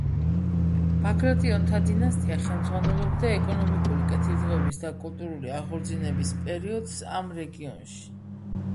ბაგრატიონთა დინასტია ხელმძღვანელობდა ეკონომიკური კეთილდღეობის და კულტურული აღორძინების პერიოდს ამ რეგიონში.